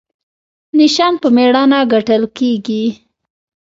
نشان په میړانه ګټل کیږي